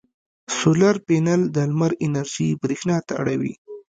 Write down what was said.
سولر پینل د لمر انرژي برېښنا ته اړوي.